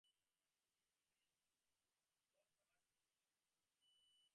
Jahn's art has been exhibited in the United States and Germany.